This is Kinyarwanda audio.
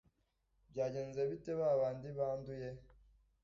Byagenze bite babandi banduye?